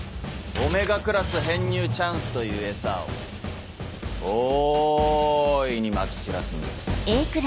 Ωクラス編入チャンスという餌を大いにまき散らすんです。